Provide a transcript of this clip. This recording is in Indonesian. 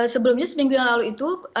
sebelumnya seminggu yang lalu itu